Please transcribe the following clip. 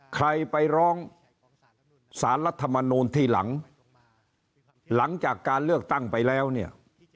ใครไปร้องสารรัฐมนูลทีหลังหลังจากการเลือกตั้งไปแล้วเนี่ย